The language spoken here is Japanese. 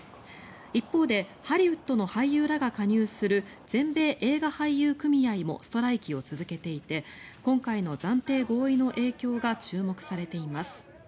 一方でハリウッドの俳優らが加入する全米映画俳優組合もストライキを続けていて今回の暫定合意の影響が注目されています。